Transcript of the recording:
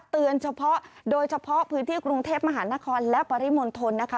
โดยเฉพาะโดยเฉพาะพื้นที่กรุงเทพมหานครและปริมณฑลนะคะ